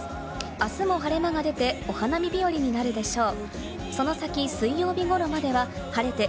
明日も晴れ間が出て、お花見日和になるでしょう。